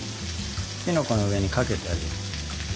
きのこの上にかけてあげる。